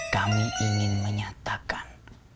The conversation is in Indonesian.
kami ingin menyatakan